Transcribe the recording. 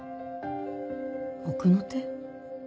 奥の手？